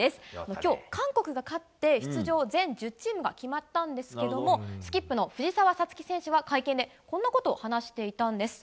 今日、韓国が勝って出場全１０チームが決まったんですがスキップの藤澤五月選手は会見で、こんなことを話していたんです。